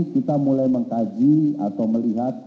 kita mulai mengkaji atau melihat